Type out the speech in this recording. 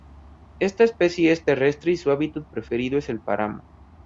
Esta especie es terrestre y su hábitat preferido es el páramo.